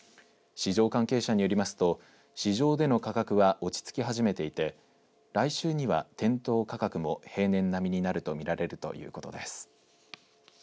市場関係者によりますと市場での価格は落ち着き始めていて来週には、店頭価格も平年並みになるとみられるということです。